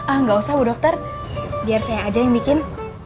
enggak usah bu dokter biar saya aja yang bikin